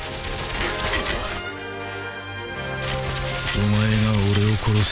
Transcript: お前が俺を殺せ。